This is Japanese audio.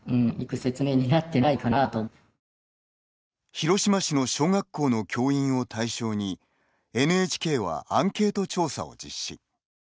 広島市の小学校の教員を対象にＮＨＫはアンケート調査を実施。